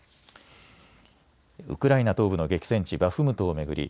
ウクライナ東部の激戦地バフムトを巡り